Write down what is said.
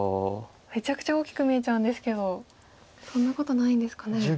めちゃくちゃ大きく見えちゃうんですけどそんなことないんですかね。